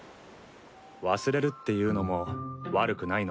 忘れるっていうのも悪くないのかもな。